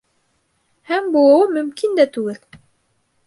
Һәм булыуы мөмкин дә түгел!